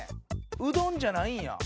うどんじゃないんや。